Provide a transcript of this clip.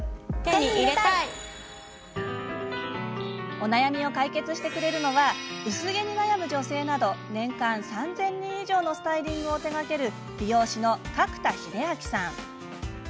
お悩みを解決してくれるのは薄毛に悩む女性など年間３０００人以上のスタイリングを手がける美容師の角田英明さん。